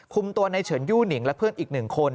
คุมตัวในเฉินยู่นิงและเพื่อนอีก๑คน